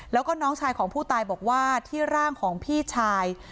แล้วก็น้องชายของผู้ตายบอกว่าที่ร่างของพี่ชาย